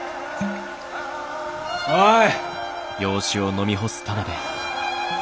おい！